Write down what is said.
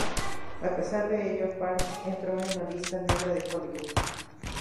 A pesar de ello, Parks entró en la lista negra de Hollywood.